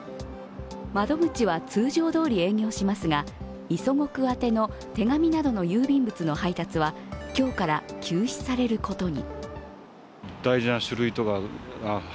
窓口は通常どおり営業しますが磯子区宛ての手紙などの郵便物の配達は今日から休止されることに。